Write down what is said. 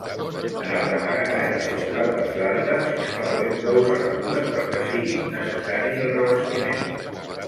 En els amagatalls als forats dels arbres hi sol haver prou serradures perquè sigui innecessari el revestiment.